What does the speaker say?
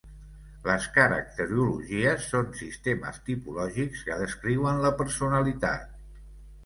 Les caracterologies són sistemes tipològics que descriuen la personalitat.